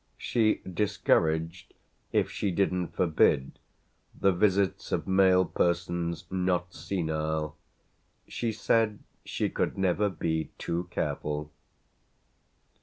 She discouraged if she didn't forbid the visits of male persons not senile: she said she could never be too careful.